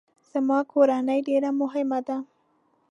زما کورنۍ ډیره مهمه ده